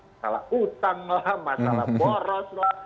masalah utang lah masalah boros lah